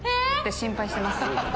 ⁉心配してます。